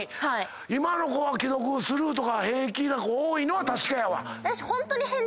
今の子は既読スルーとか平気な子多いのは確かやわ。